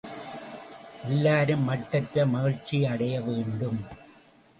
எல்லாரும் மட்டற்ற மகிழ்ச்சியடைய வேண்டும்.